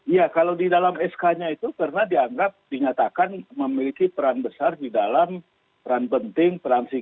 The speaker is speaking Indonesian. ya kalau di dalam sk nya itu karena dianggap dinyatakan memiliki peran besar di dalam peran penting peran signifikan